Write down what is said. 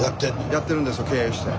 やってるんですよ経営して。